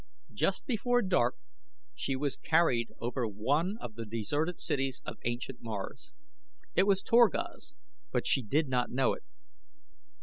Just before dark she was carried over one of the deserted cities of ancient Mars. It was Torquas, but she did not know it.